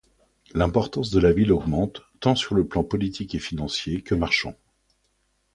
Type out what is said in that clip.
L'importance de la ville augmente, tant sur le plan politique et financier que marchand.